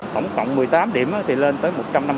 tổng cộng một mươi tám điểm thì lên tới một trăm năm mươi ba tấn